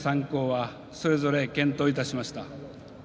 ３校はそれぞれ健闘いたしました。